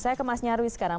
saya ke mas nyarwi sekarang